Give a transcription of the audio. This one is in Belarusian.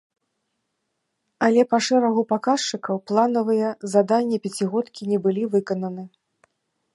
Але па шэрагу паказчыкаў планавыя заданні пяцігодкі не былі выкананы.